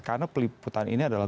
karena peliputan ini adalah